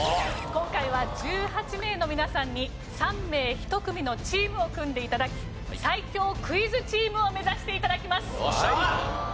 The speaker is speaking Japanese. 今回は１８名の皆さんに３名１組のチームを組んで頂き最強クイズチームを目指して頂きます！